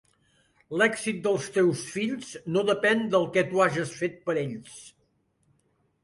L'èxit dels teus fills no depèn del que tu hages fet per ells.